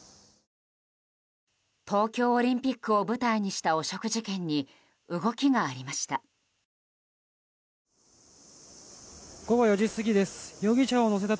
東京オリンピックを舞台にした汚職事件に動きがありました。